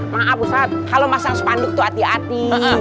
maaf kalau masang spanduk itu hati hati